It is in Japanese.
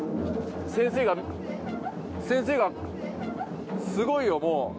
先生が先生がすごいよもう。